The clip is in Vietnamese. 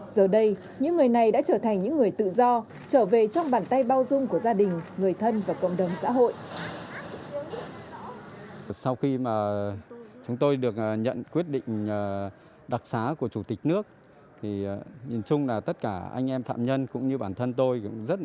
giờ đây những người này đã trở thành những người tự do trở về trong bàn tay bao dung của gia đình người thân và cộng đồng xã hội